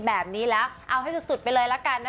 แบบนี้แล้วเอาให้สุดไปเลยละกันนะคะ